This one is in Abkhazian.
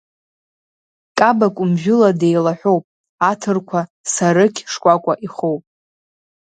Каба-кәымжәыла деилаҳәоуп, аҭырқәа сарықь шкәакәа ихоуп.